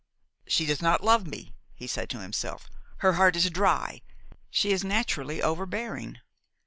"She does not love me," he said to himself; "her heart is dry, she is naturally overbearing."